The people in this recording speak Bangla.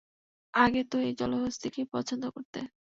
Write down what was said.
আগে তো এই জলহস্তিকেই পছন্দ করতে।